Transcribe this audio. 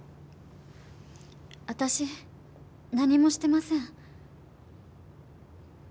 私何もしてません。